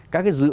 các cái dự án